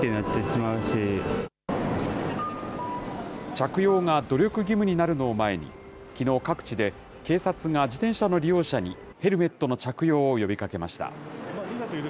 着用が努力義務になるのを前に、きのう、各地で警察が自転車の利用者に、ヘルメットの着用を呼びかけました。